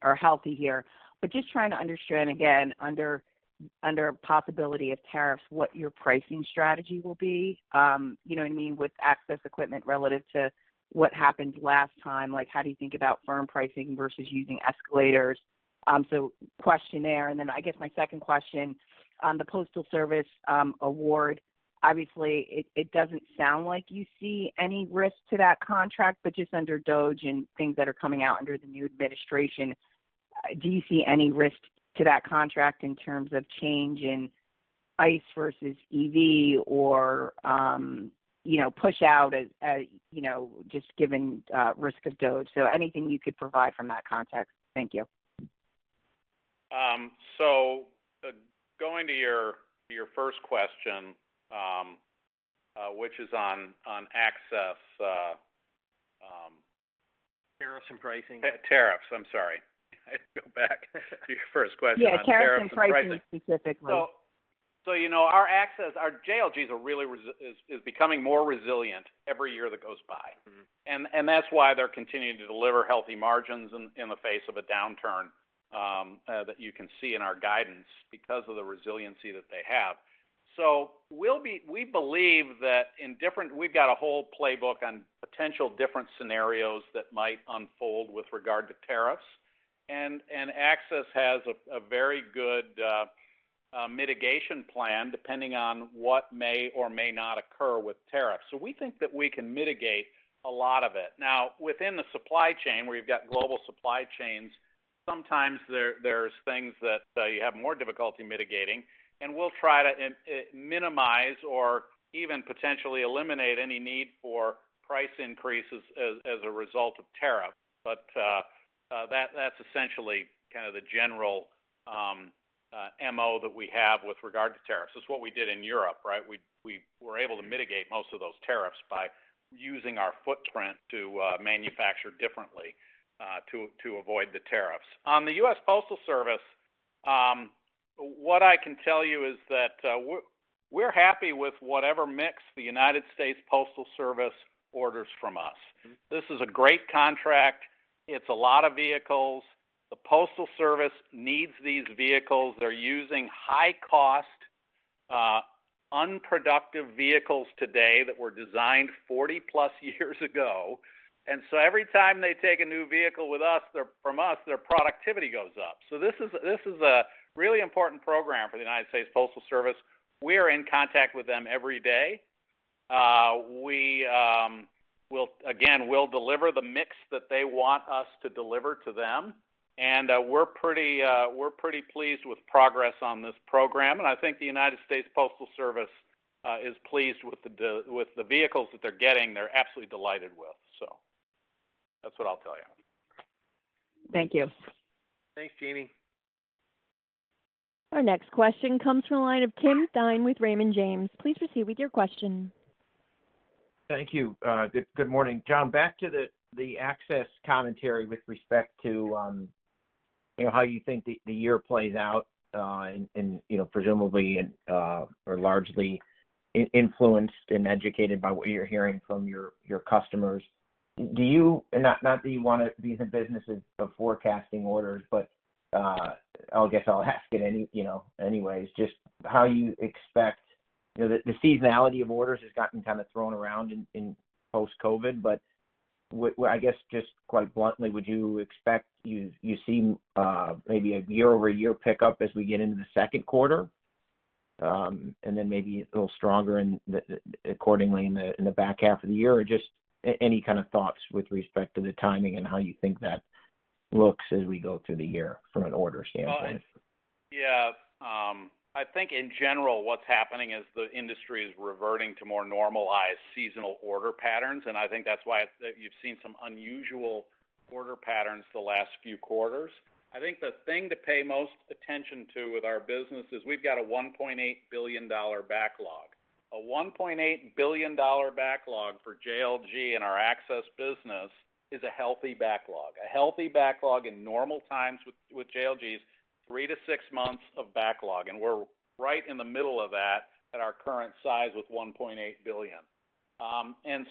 are healthy here, but just trying to understand, again, under possibility of tariffs, what your pricing strategy will be, you know what I mean, with access equipment relative to what happened last time. How do you think about firm pricing versus using escalators? So question there. And then I guess my second question on the Postal Service award, obviously, it doesn't sound like you see any risk to that contract, but just under DOGE and things that are coming out under the new administration, do you see any risk to that contract in terms of change in ICE versus EV or push out just given risk of DOGE? So anything you could provide from that context. Thank you. So going to your first question, which is on access. Tariffs and pricing. Tariffs. I'm sorry. I had to go back to your first question on tariffs and pricing specifically. So our JLG is becoming more resilient every year that goes by. And that's why they're continuing to deliver healthy margins in the face of a downturn that you can see in our guidance because of the resiliency that they have. So we believe that we've got a whole playbook on potential different scenarios that might unfold with regard to tariffs. And access has a very good mitigation plan depending on what may or may not occur with tariffs. So we think that we can mitigate a lot of it. Now, within the supply chain, where you've got global supply chains, sometimes there's things that you have more difficulty mitigating. And we'll try to minimize or even potentially eliminate any need for price increases as a result of tariffs. But that's essentially kind of the general MO that we have with regard to tariffs. It's what we did in Europe, right? We were able to mitigate most of those tariffs by using our footprint to manufacture differently to avoid the tariffs. On the U.S. Postal Service, what I can tell you is that we're happy with whatever mix the United States Postal Service orders from us. This is a great contract. It's a lot of vehicles. The Postal Service needs these vehicles. They're using high-cost, unproductive vehicles today that were designed 40-plus years ago. And so every time they take a new vehicle from us, their productivity goes up. So this is a really important program for the United States Postal Service. We are in contact with them every day. Again, we'll deliver the mix that they want us to deliver to them. And we're pretty pleased with progress on this program. And I think the United States Postal Service is pleased with the vehicles that they're getting. They're absolutely delighted with. So that's what I'll tell you. Thank you. Thanks, Jamie. Our next question comes from the line of Tim Thein with Raymond James. Please proceed with your question. Thank you. Good morning. John, back to the access commentary with respect to how you think the year plays out and presumably are largely influenced and educated by what you're hearing from your customers. Not that you want to be in the business of forecasting orders, but I guess I'll ask it anyways, just how you expect the seasonality of orders has gotten kind of thrown around in post-COVID. But I guess just quite bluntly, would you expect you see maybe a year-over-year pickup as we get into the second quarter and then maybe a little stronger accordingly in the back half of the year? Or just any kind of thoughts with respect to the timing and how you think that looks as we go through the year from an order standpoint? Yeah. I think in general, what's happening is the industry is reverting to more normalized seasonal order patterns. And I think that's why you've seen some unusual order patterns the last few quarters. I think the thing to pay most attention to with our business is we've got a $1.8 billion backlog. A $1.8 billion backlog for JLG in our access business is a healthy backlog. A healthy backlog in normal times with JLG is three to six months of backlog. We're right in the middle of that at our current size with $1.8 billion.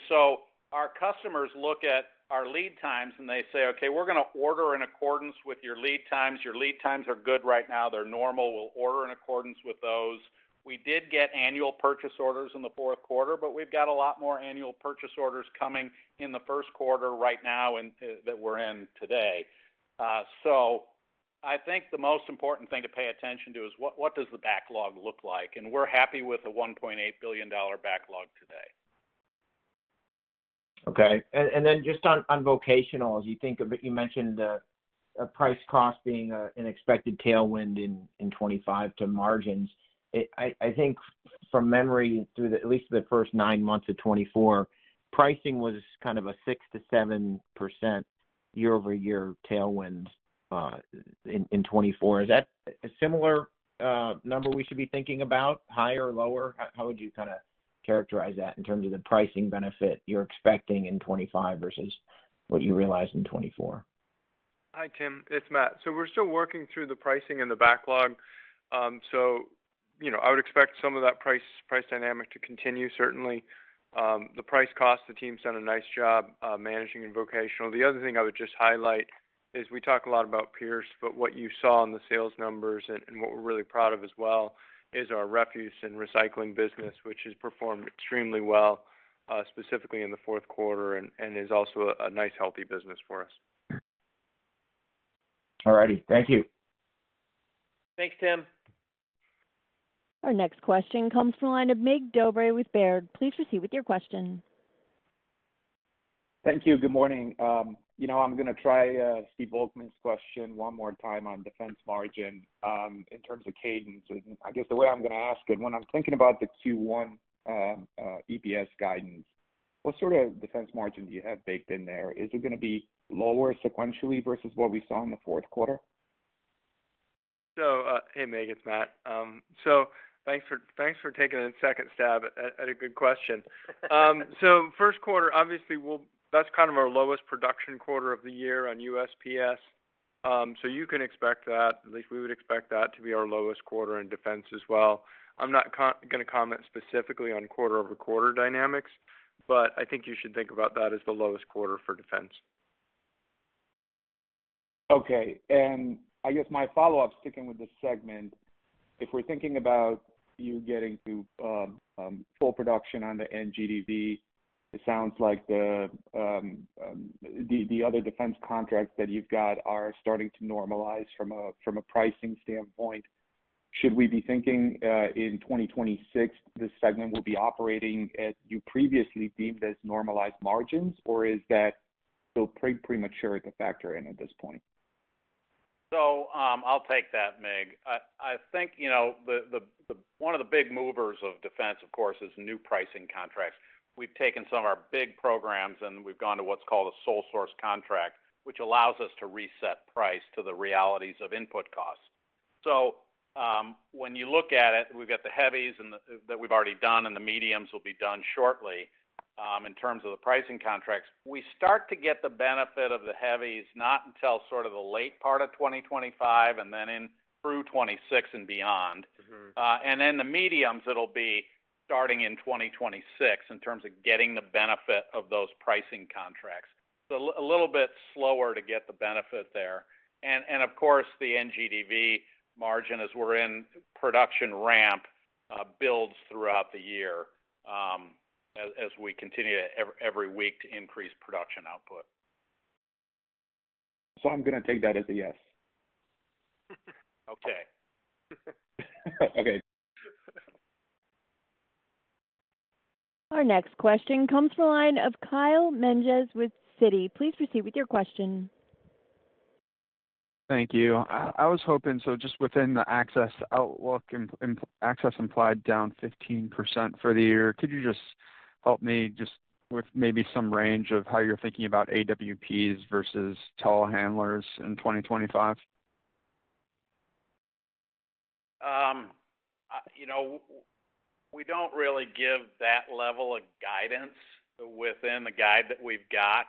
Our customers look at our lead times and they say, "Okay, we're going to order in accordance with your lead times. Your lead times are good right now. They're normal. We'll order in accordance with those." We did get annual purchase orders in the fourth quarter, but we've got a lot more annual purchase orders coming in the first quarter right now that we're in today. I think the most important thing to pay attention to is what does the backlog look like? We're happy with a $1.8 billion backlog today. Okay. Then just on vocational, as you think of it, you mentioned price cost being an expected tailwind in 2025 to margins. I think from memory, through at least the first nine months of 2024, pricing was kind of a 6%-7% year-over-year tailwind in 2024. Is that a similar number we should be thinking about, higher or lower? How would you kind of characterize that in terms of the pricing benefit you're expecting in 2025 versus what you realized in 2024? Hi, Tim. It's Matt. So we're still working through the pricing and the backlog. So I would expect some of that price dynamic to continue, certainly. The price cost, the team's done a nice job managing vocational. The other thing I would just highlight is we talk a lot about Pierce, but what you saw in the sales numbers and what we're really proud of as well is our refuse and recycling business, which has performed extremely well, specifically in the fourth quarter, and is also a nice, healthy business for us. All righty. Thank you. Thanks, Tim. Our next question comes from the line of Mig Dobre with Baird. Please proceed with your question. Thank you. Good morning. I'm going to try Steve Volkmann's question one more time on defense margin in terms of cadence. And I guess the way I'm going to ask it, when I'm thinking about the Q1 EPS guidance, what sort of defense margin do you have baked in there? Is it going to be lower sequentially versus what we saw in the fourth quarter? So hey, Mircea, it's Matt. So thanks for taking a second stab at a good question. So first quarter, obviously, that's kind of our lowest production quarter of the year on USPS. So you can expect that. At least we would expect that to be our lowest quarter in defense as well. I'm not going to comment specifically on quarter-over-quarter dynamics, but I think you should think about that as the lowest quarter for defense. Okay. And I guess my follow-up, sticking with the segment, if we're thinking about you getting to full production on the NGDV, it sounds like the other defense contracts that you've got are starting to normalize from a pricing standpoint. Should we be thinking in 2026, this segment will be operating at you previously deemed as normalized margins, or is that still premature to factor in at this point? So I'll take that, Mig. I think one of the big movers of defense, of course, is new pricing contracts. We've taken some of our big programs, and we've gone to what's called a sole-source contract, which allows us to reset price to the realities of input costs. So when you look at it, we've got the heavies that we've already done, and the mediums will be done shortly in terms of the pricing contracts. We start to get the benefit of the heavies not until sort of the late part of 2025 and then in through 2026 and beyond. And then the mediums, it'll be starting in 2026 in terms of getting the benefit of those pricing contracts. So a little bit slower to get the benefit there. And of course, the NGDV margin, as we're in production ramp, builds throughout the year as we continue every week to increase production output. So I'm going to take that as a yes. Okay. Okay. Our next question comes from the line of Kyle Menges with Citi. Please proceed with your question. Thank you. I was hoping so just within the Access outlook, Access implied down 15% for the year. Could you just help me just with maybe some range of how you're thinking about AWPs versus telehandlers in 2025? We don't really give that level of guidance within the guide that we've got.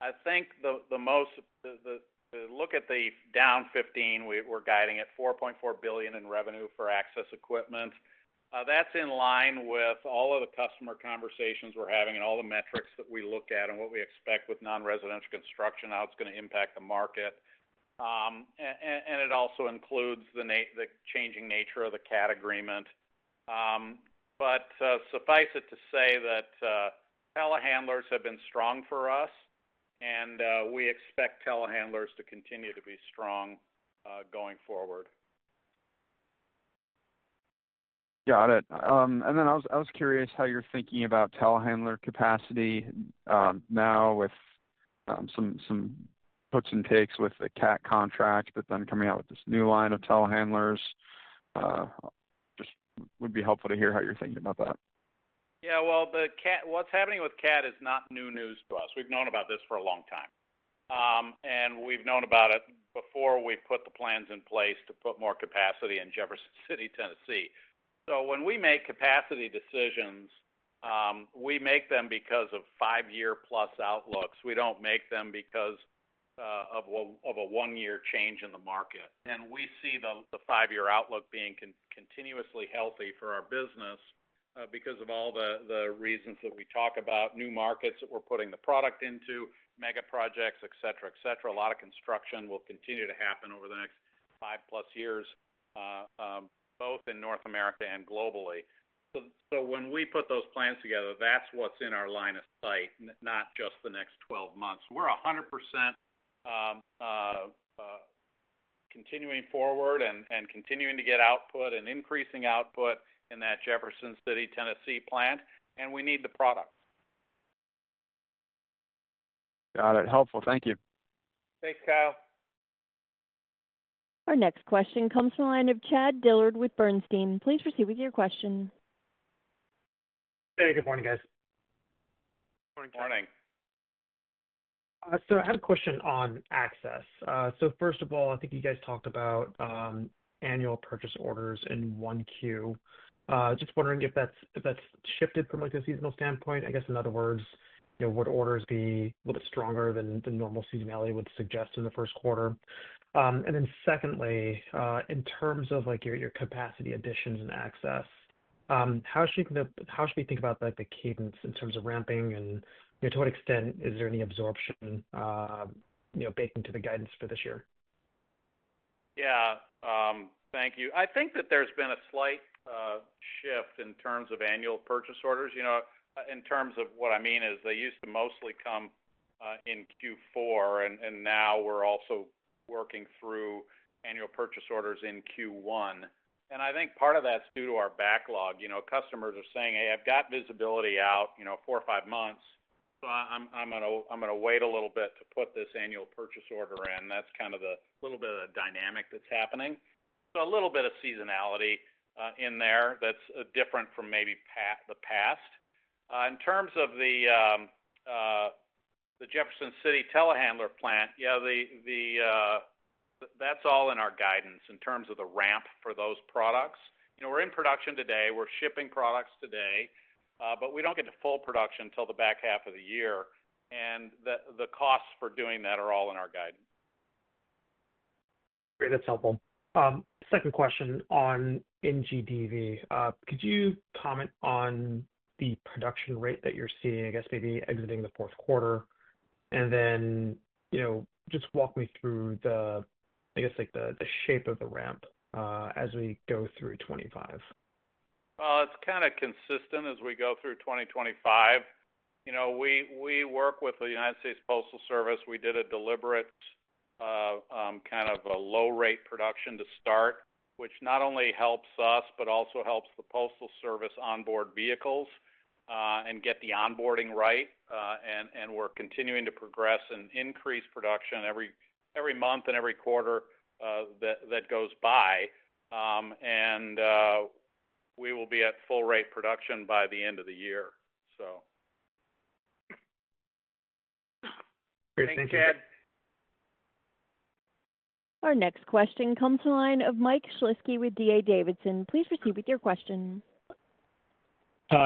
I think the most you look at is the down 15%. We're guiding at $4.4 billion in revenue for Access equipment. That's in line with all of the customer conversations we're having and all the metrics that we look at and what we expect with non-residential construction, how it's going to impact the market. And it also includes the changing nature of the Cat agreement. But suffice it to say that telehandlers have been strong for us, and we expect telehandlers to continue to be strong going forward. Got it. And then I was curious how you're thinking about telehandler capacity now with some puts and takes with the Cat contract, but then coming out with this new line of telehandlers. Just would be helpful to hear how you're thinking about that. Yeah. Well, what's happening with Cat is not new news to us. We've known about this for a long time. And we've known about it before we put the plans in place to put more capacity in Jefferson City, Tennessee. So when we make capacity decisions, we make them because of five-year-plus outlooks. We don't make them because of a one-year change in the market. And we see the five-year outlook being continuously healthy for our business because of all the reasons that we talk about, new markets that we're putting the product into, mega projects, etc., etc. A lot of construction will continue to happen over the next five-plus years, both in North America and globally. So when we put those plans together, that's what's in our line of sight, not just the next 12 months. We're 100% continuing forward and continuing to get output and increasing output in that Jefferson City, Tennessee plant. And we need the product. Got it. Helpful. Thank you. Thanks, Kyle. Our next question comes from the line of Chad Dillard with Bernstein. Please proceed with your question. Hey, good morning, guys. Good morning. Good morning. So I had a question on access. So first of all, I think you guys talked about annual purchase orders in 1Q. Just wondering if that's shifted from a seasonal standpoint. I guess in other words, would orders be a little bit stronger than the normal seasonality would suggest in the first quarter? And then secondly, in terms of your capacity additions and access, how should we think about the cadence in terms of ramping and to what extent is there any absorption baked into the guidance for this year? Yeah. Thank you. I think that there's been a slight shift in terms of annual purchase orders. In terms of what I mean is they used to mostly come in Q4, and now we're also working through annual purchase orders in Q1. And I think part of that's due to our backlog. Customers are saying, "Hey, I've got visibility out four or five months, so I'm going to wait a little bit to put this annual purchase order in." That's kind of the little bit of the dynamic that's happening. So a little bit of seasonality in there that's different from maybe the past. In terms of the Jefferson City telehandler plant, yeah, that's all in our guidance in terms of the ramp for those products. We're in production today. We're shipping products today, but we don't get to full production until the back half of the year. And the costs for doing that are all in our guidance. Great. That's helpful. Second question on NGDV. Could you comment on the production rate that you're seeing, I guess maybe exiting the fourth quarter? And then just walk me through the, I guess, shape of the ramp as we go through '25. Well, it's kind of consistent as we go through 2025. We work with the United States Postal Service. We did a deliberate kind of a low-rate production to start, which not only helps us, but also helps the Postal Service onboard vehicles and get the onboarding right. And we're continuing to progress and increase production every month and every quarter that goes by. And we will be at full-rate production by the end of the year, so. Great. Thank you. Thanks, Chad. Our next question comes from the line of Mike Shlisky with D.A. Davidson. Please proceed with your question.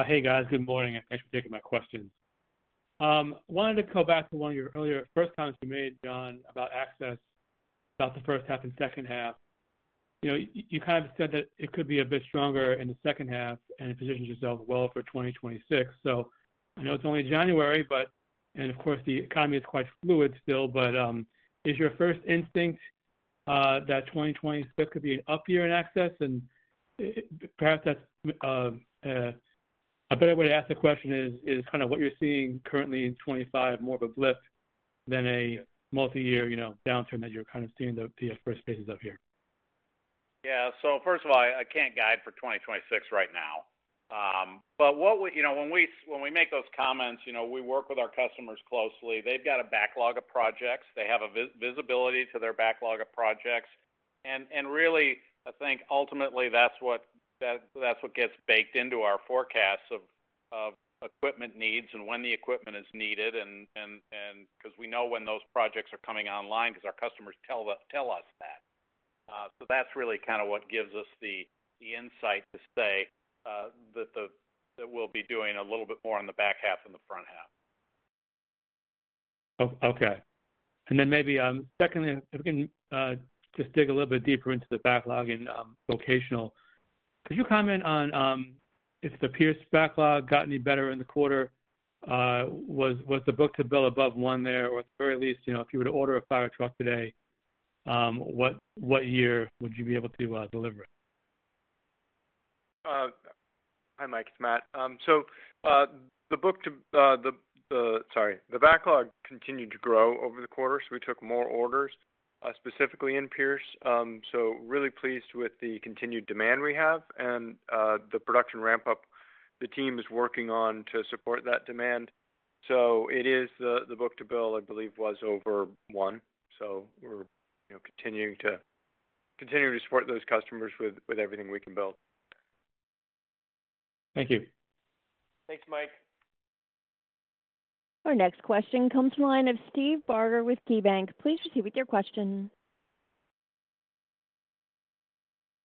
Hey, guys. Good morning. And thanks for taking my questions. Wanted to go back to one of your earlier first comments you made, John, about access, about the first half and second half. You kind of said that it could be a bit stronger in the second half and positioned yourself well for 2026. So I know it's only January, but, and of course, the economy is quite fluid still, but is your first instinct that 2026 could be an up year in access? And perhaps that's a better way to ask the question is kind of what you're seeing currently in 2025, more of a blip than a multi-year downturn that you're kind of seeing the first phases of here? Yeah. So first of all, I can't guide for 2026 right now. But when we make those comments, we work with our customers closely. They've got a backlog of projects. They have a visibility to their backlog of projects. Really, I think ultimately that's what gets baked into our forecasts of equipment needs and when the equipment is needed because we know when those projects are coming online because our customers tell us that. That's really kind of what gives us the insight to say that we'll be doing a little bit more in the back half than the front half. Okay. Then maybe secondly, if we can just dig a little bit deeper into the backlog and vocational, could you comment on if the Pierce backlog got any better in the quarter? Was the book-to-bill above one there? Or at the very least, if you were to order a fire truck today, what year would you be able to deliver it? Hi, Michael. It's Matt. The book-to—sorry. The backlog continued to grow over the quarter, so we took more orders, specifically in Pierce. So really pleased with the continued demand we have and the production ramp-up the team is working on to support that demand. So it is the book-to-bill, I believe, was over one. So we're continuing to support those customers with everything we can build. Thank you. Thanks, Mike. Our next question comes from the line of Steve Barger with KeyBanc. Please proceed with your question.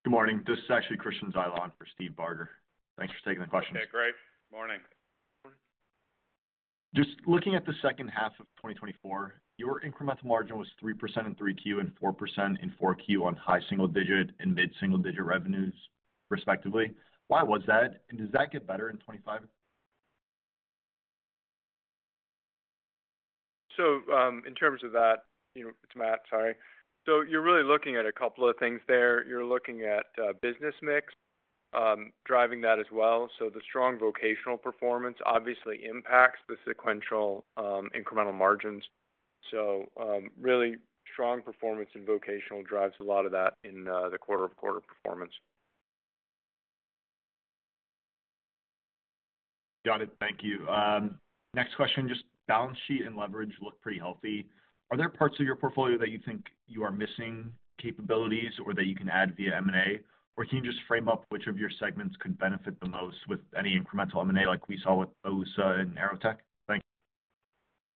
Good morning. This is actually Christian Zylstra for Steve Barger. Thanks for taking the question. Okay. Great. Morning. Just looking at the second half of 2024, your incremental margin was 3% in 3Q and 4% in 4Q on high single-digit and mid-single-digit revenues, respectively. Why was that? And does that get better in 2025? So in terms of that, it's Matt. Sorry. So you're really looking at a couple of things there. You're looking at business mix, driving that as well. So the strong vocational performance obviously impacts the sequential incremental margins. So really strong performance and vocational drives a lot of that in the quarter-over-quarter performance. Got it. Thank you. Next question, just balance sheet and leverage look pretty healthy. Are there parts of your portfolio that you think you are missing capabilities or that you can add via M&A? Or can you just frame up which of your segments could benefit the most with any incremental M&A like we saw with AUSA and AeroTech? Thanks.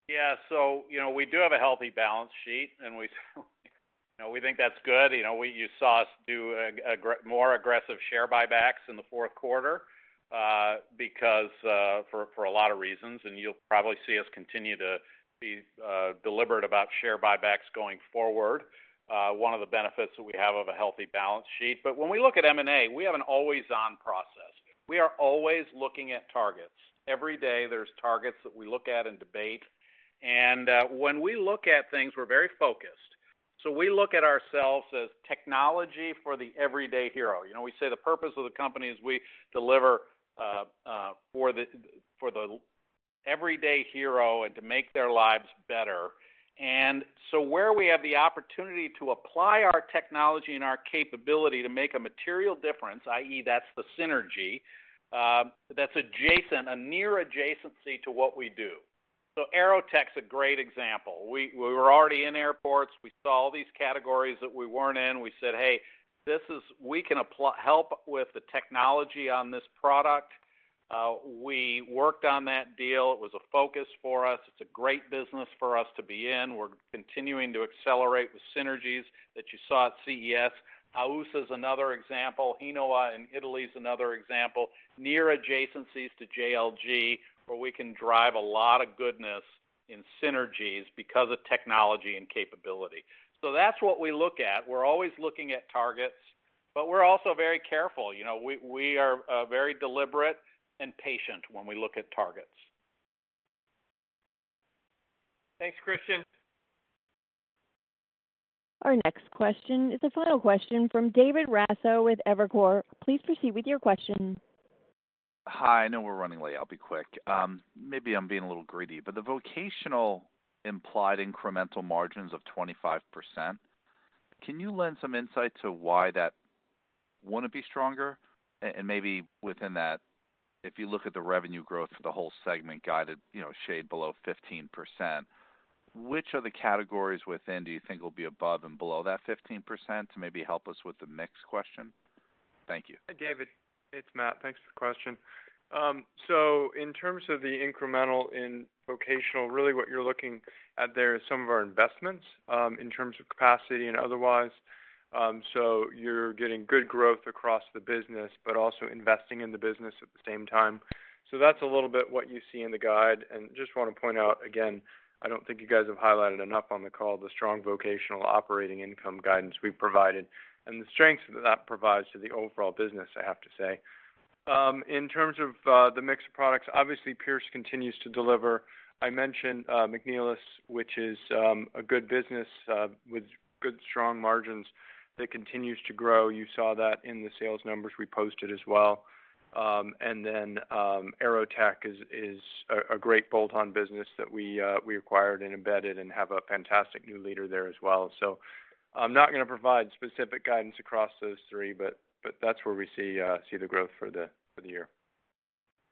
Yeah. So we do have a healthy balance sheet, and we think that's good. You saw us do more aggressive share buybacks in the fourth quarter because for a lot of reasons. You'll probably see us continue to be deliberate about share buybacks going forward. One of the benefits that we have of a healthy balance sheet. But when we look at M&A, we have an always-on process. We are always looking at targets. Every day, there's targets that we look at and debate. And when we look at things, we're very focused. So we look at ourselves as technology for the everyday hero. We say the purpose of the company is we deliver for the everyday hero and to make their lives better. And so where we have the opportunity to apply our technology and our capability to make a material difference, i.e., that's the synergy, that's adjacent, a near adjacency to what we do. So AeroTech is a great example. We were already in airports. We saw all these categories that we weren't in. We said, "Hey, we can help with the technology on this product." We worked on that deal. It was a focus for us. It's a great business for us to be in. We're continuing to accelerate with synergies that you saw at CES. AUSA is another example. Hinowa in Italy is another example. Near adjacencies to JLG, where we can drive a lot of goodness in synergies because of technology and capability. So that's what we look at. We're always looking at targets, but we're also very careful. We are very deliberate and patient when we look at targets. Thanks, Christian. Our next question is a final question from David Raso with Evercore. Please proceed with your question. Hi. I know we're running late. I'll be quick. Maybe I'm being a little greedy. But the vocational implied incremental margins of 25%. Can you lend some insight to why that wouldn't be stronger? And maybe within that, if you look at the revenue growth for the whole segment guided a shade below 15%, which of the categories within do you think will be above and below that 15% to maybe help us with the mix question? Thank you. David, it's Matt. Thanks for the question. So in terms of the incremental in vocational, really what you're looking at there is some of our investments in terms of capacity and otherwise. So you're getting good growth across the business, but also investing in the business at the same time. So that's a little bit what you see in the guide. I just want to point out, again, I don't think you guys have highlighted enough on the call the strong vocational operating income guidance we've provided and the strengths that that provides to the overall business. I have to say. In terms of the mix of products, obviously, Pierce continues to deliver. I mentioned McNeilus, which is a good business with good, strong margins that continues to grow. You saw that in the sales numbers we posted as well. And then AeroTech is a great bolt-on business that we acquired and embedded and have a fantastic new leader there as well. So I'm not going to provide specific guidance across those three, but that's where we see the growth for the year.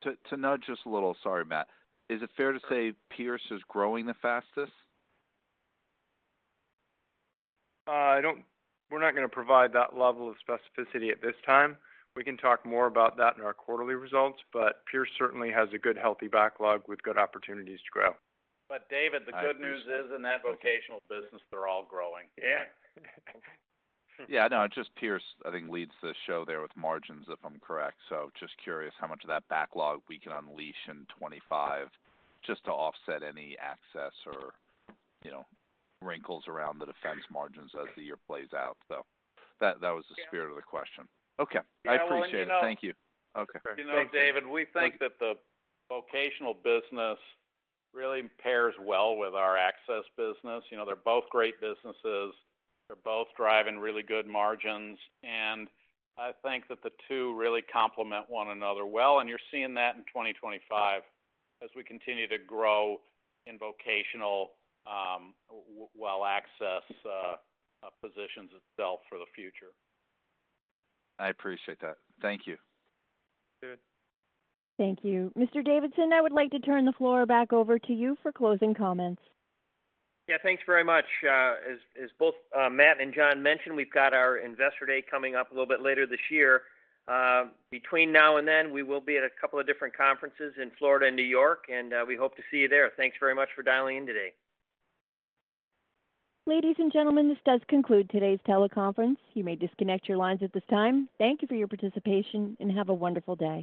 To nudge us a little, sorry, Matt, is it fair to say Pierce is growing the fastest? We're not going to provide that level of specificity at this time. We can talk more about that in our quarterly results, but Pierce certainly has a good, healthy backlog with good opportunities to grow. But David, the good news is in that vocational business, they're all growing. Yeah. Yeah. No, just Pierce, I think, leads the show there with margins, if I'm correct. So just curious how much of that backlog we can unleash in 2025 just to offset any access or wrinkles around the defense margins as the year plays out. So that was the spirit of the question. Okay. I appreciate it. Thank you. Okay. Thanks, David. We think that the vocational business really pairs well with our access business. They're both great businesses. They're both driving really good margins. And I think that the two really complement one another well. And you're seeing that in 2025 as we continue to grow in vocational while access positions itself for the future. I appreciate that. Thank you. David. Thank you. Mr. Davidson, I would like to turn the floor back over to you for closing comments. Yeah. Thanks very much. As both Matt and John mentioned, we've got our investor day coming up a little bit later this year. Between now and then, we will be at a couple of different conferences in Florida and New York, and we hope to see you there. Thanks very much for dialing in today. Ladies and gentlemen, this does conclude today's teleconference. You may disconnect your lines at this time. Thank you for your participation and have a wonderful day.